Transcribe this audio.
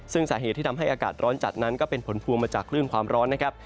ซึ่งสาเหตุที่ทำให้อากาศร้อนจัดนั้นก็เป็นผลพวงมาจากคลื่นความร้อนนะครับ